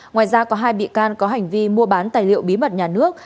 ngoài ra có hai bị can có hành vi mua bán tài liệu bí mật nhà nước